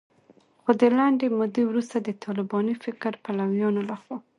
خو د لنډې مودې وروسته د طالباني فکر پلویانو لخوا